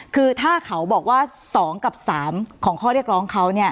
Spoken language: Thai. คือถ้าเขาบอกว่า๒กับ๓ของข้อเรียกร้องเขา